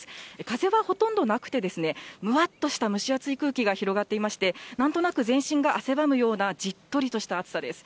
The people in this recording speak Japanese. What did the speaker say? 風はほとんどなくて、むわっとした蒸し暑い空気が広がっていまして、なんとなく全身が汗ばむような、じっとりとした暑さです。